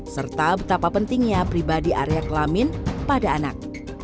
serta betapa pentingnya pribadi area kelamin pada anak